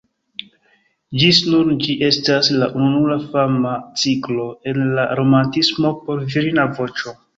Ĝis nun ĝi estas la ununura fama ciklo el la romantismo por virina voĉo.